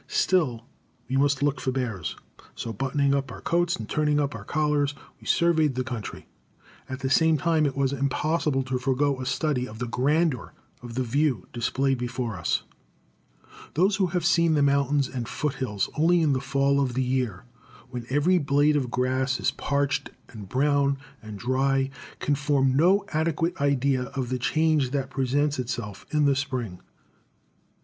Still we must look for bears; so buttoning up our coats and turning up our collars we surveyed the country. At the same time it was impossible to forego a study of the grandeur of the view displayed before us. Those who have seen the mountains and foot hills only in the fall of the year, when every blade of grass is parched and brown and dry, can form no adequate idea of the change that presents itself in the spring.